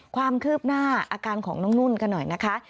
ความคืบหน้าอาการของน้องนุ่นกันหน่อยนะคะ